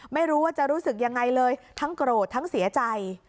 ไม่รู้ว่าจะรู้สึกยังไงเลยทั้งโกรธทั้งเสียใจ